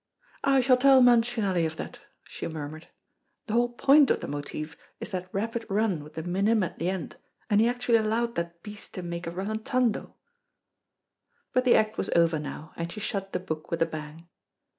"I shall tell Mancinelli of that," she murmured. "The whole point of the motif is that rapid run with the minim at the end, and he actually allowed that beast to make a rallentando." But the act was over now, and she shut the book with a bang.